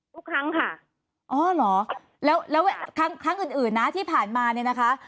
ทุกครั้งค่ะอ๋อเหรอแล้วแล้วครั้งอื่นนะที่ผ่านมาเนี่ยนะคะ